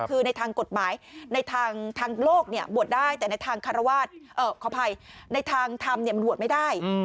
คือในทางกฎหมายในทางโลกบวชได้แต่ในทางธรรมน์ไม่ได้